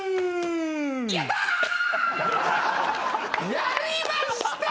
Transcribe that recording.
やりました！